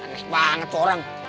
waan banget itu orang